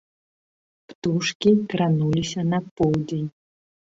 Птушкі крануліся на поўдзень.